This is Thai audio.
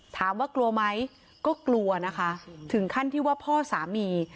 ถามว่ากลัวไหมก็กลัวนะคะถึงขั้นที่ว่าพ่อสามี